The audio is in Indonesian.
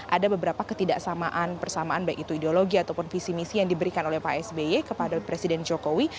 ada beberapa ketidaksamaan persamaan baik itu ideologi ataupun visi misi yang diberikan oleh pak sby kepada presiden jokowi